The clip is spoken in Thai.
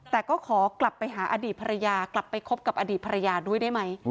แต่ก็ขอกลับไปหาอดีตภรรยากลับไปคบกับอดีตภรรยาด้วยได้ไหม